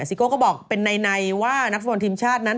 ซิโก้ก็บอกเป็นในว่านักฟุตบอลทีมชาตินั้น